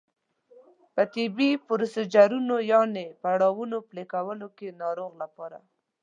د طبي پروسیجرونو یانې پړاوونو په پلي کولو کې د ناروغ لپاره